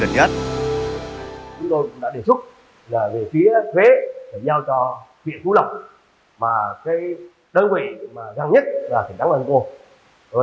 chúng tôi đã đề xuất về phía phú lộc đơn vị gần nhất là thị trấn lăng cô